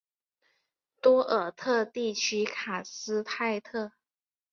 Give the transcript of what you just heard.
多尔特地区卡斯泰特。